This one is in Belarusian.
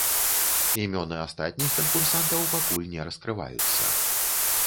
Імёны астатніх канкурсантаў пакуль не раскрываюцца.